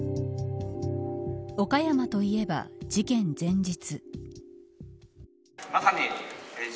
岡山と言えば事件前日。